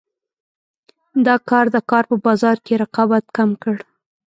دا کار د کار په بازار کې رقابت کم کړ.